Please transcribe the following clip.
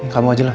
kamu aja lah